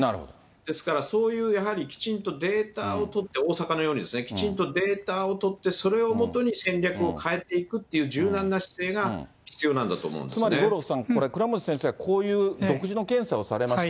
ですからそういうやはりきちんとデータを取って、大阪のように、きちんとデータを取って、それを基に戦略を変えていくっていう柔軟な姿勢が必要なんだと思つまり五郎さん、これ、倉持先生はこういう独自の検査をされました。